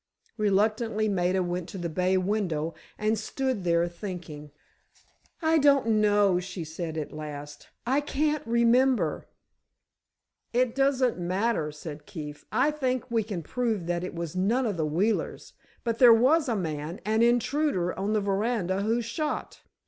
Reluctantly, Maida went to the bay window, and stood there thinking. "I don't know," she said, at last. "I can't remember." "It doesn't matter," said Keefe. "I think we can prove that it was none of the Wheelers, but there was a man, an intruder, on the veranda who shot.